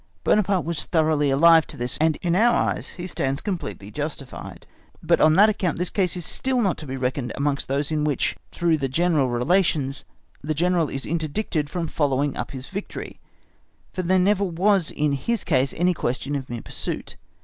Buonaparte was thoroughly alive to all this, and in our eyes he stands completely justified. But on that account this case is still not to be reckoned amongst those in which, through the general relations, the General is interdicted from following up his victory, for there never was in his case any question of mere pursuit.